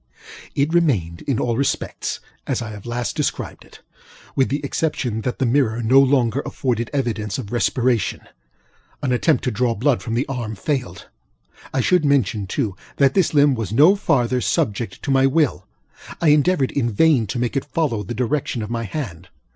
It remained in all respects as I have last described it, with the exception that the mirror no longer afforded evidence of respiration. An attempt to draw blood from the arm failed. I should mention, too, that this limb was no farther subject to my will. I endeavored in vain to make it follow the direction of my hand.